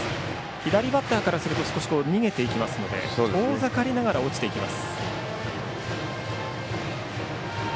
左バッターからすると少し逃げていきますので遠ざかりながら落ちていきます。